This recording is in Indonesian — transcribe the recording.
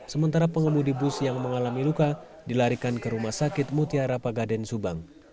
sementara pengemudi bus yang mengalami luka dilarikan ke rumah sakit mutiara pagaden subang